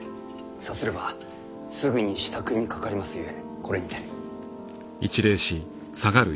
さすればすぐに支度にかかりますゆえこれにて。